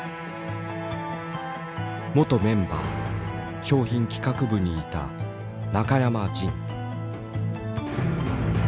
元メンバー商品企画部にいた中山仁。